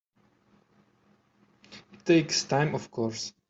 It takes time of course.